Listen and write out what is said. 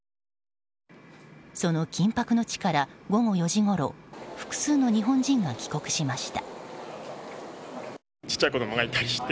その緊迫の地から午後４時ごろ複数の日本人が帰国しました。